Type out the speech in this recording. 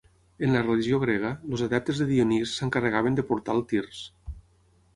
En la religió grega, els adeptes de Dionís s'encarregaven de portar el tirs.